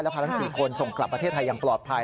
พาทั้ง๔คนส่งกลับประเทศไทยอย่างปลอดภัย